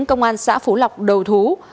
công an xã phú lọc đầu thú